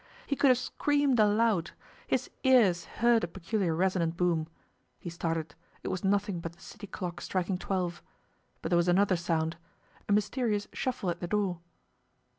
He could have screamed aloud. His ears heard a peculiar resonant boom. He started it was nothing but the city clock striking twelve. But there was another sound a mysterious shuffle at the door.